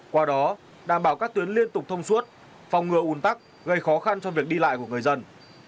qua đó đảm bảo các tuyến liên tục thông suốt phòng ngừa un tắc gây khó khăn cho việc đi lại của người dân